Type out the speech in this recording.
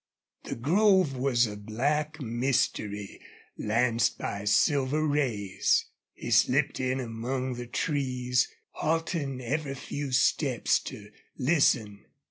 The grove was a black mystery lanced by silver rays. He slipped in among the trees, halting every few steps to listen.